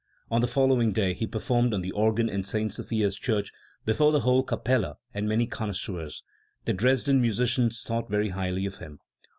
On the following day he performed on the organ in St. Sophia's Church before the whole Kapelle and many connoisseurs. The Dresden musicians thought very highly of him.